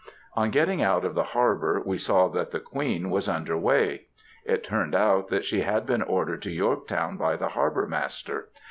On getting out of the harbor, we saw that the Queen was under way. It turned out that she had been ordered to Yorktown by the Harbor Master.